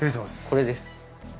これです。